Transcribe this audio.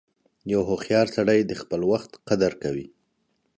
• یو هوښیار سړی د خپل وخت قدر کوي.